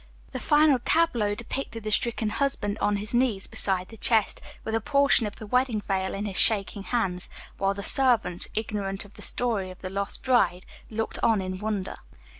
The final tableau, depicted the stricken husband on his knees beside the chest with a portion of the wedding veil in his shaking hands, while the servants, ignorant of the story of the lost bride, looked on in wonder.